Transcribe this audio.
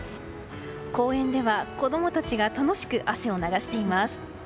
公園では子供たちが楽しく汗を流しています。